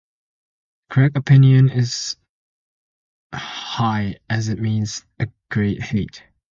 The correct option is "high," as it means at a great height.